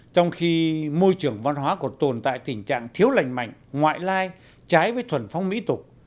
trong khi môi trường văn hóa còn tồn tại tình trạng thiếu lành mạnh ngoại lai trái với thuần phong mỹ tục